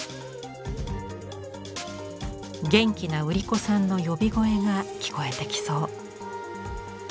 元気な売り子さんの呼び声が聞こえてきそう。